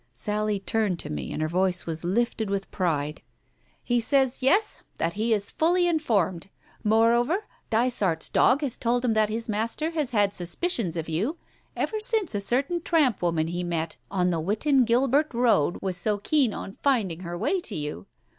Sally turned to me, and her voice was lifted with pride. "He says yes, that he is fully informed. Moreover, Dysart's dog has told him that his master has had sus picions of you ever since a certain tramp woman he met on the Witton Gilbert road was so keen on finding her way to you.